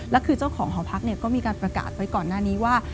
แล้วคือเจ้าของหอพักก็มีการประกาศไว้ก่อนหน้านี้ว่า